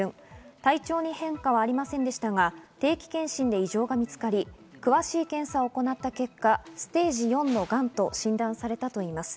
体調に変化はありませんでしたが、定期検査で異常が見つかり、詳しい検査を行ったところステージ４のがんと診断されたということです。